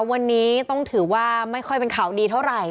วันนี้ต้องถือว่าไม่ค่อยเป็นข่าวดีเท่าไหร่